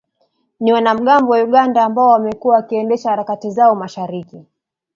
ni wanamgambo wa Uganda ambao wamekuwa wakiendesha harakati zao masharikI